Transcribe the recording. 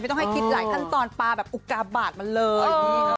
ต้องให้คิดหลายขั้นตอนปลาแบบอุกาบาทมันเลย